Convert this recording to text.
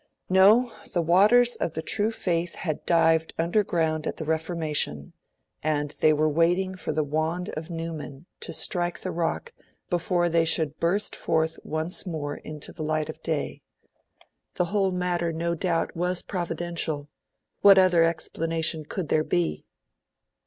No, the waters of the true Faith had dived underground at the Reformation, and they were waiting for the wand of Newman to strike the rock before they should burst forth once more into the light of day. The whole matter, no doubt, was Providential what other explanation could there be?